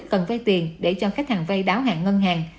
cần vay tiền để cho khách hàng vay đáo hạng ngân hàng